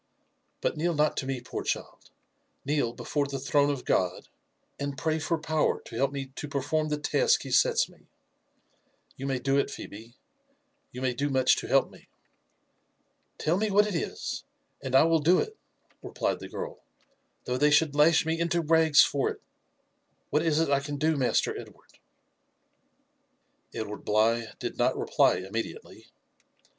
"But kneel not to me, poor child ; kneel before the throne of God, and pray for power to help me to perform the task he sets me. You may do it, Phebe, — ^you may do much to help me." " Tell me what it is, and I will do it," replied the girl, •* though they should lash me into rags for it. What is it I can do, Master Edward?" Edward Bligh did not reply immediately.